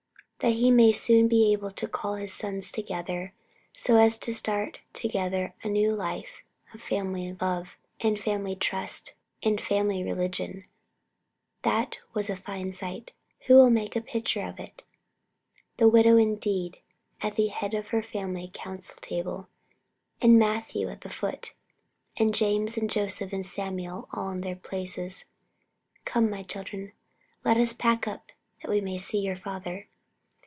that he may soon be able to call his sons together so as to start together on a new life of family love, and family trust, and family religion. That was a fine sight. Who will make a picture of it? This widow indeed at the head of her family council table, and Matthew at the foot, and James and Joseph and Samuel all in their places. "Come, my children, let us pack up that we may see your father!"